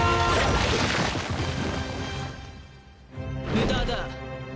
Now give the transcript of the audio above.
無駄だ。